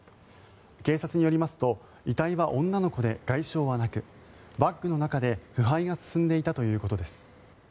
警察によりますと遺体は女の子で、外傷はなくバッグの中で腐敗が進んでいたということです。